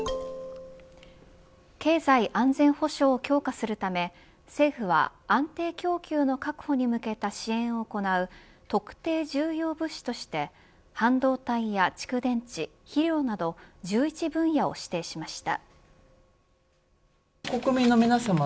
経済安全保障を強化するため政府は安定供給の確保に向けた支援を行う特定重要物資として半導体や蓄電池、肥料など１１分野を指定しました。